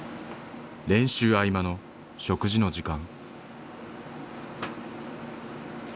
練習合間の食事の時間。